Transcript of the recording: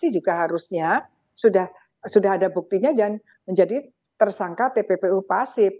juga harusnya sudah ada buktinya dan menjadi tersangka tppu pasif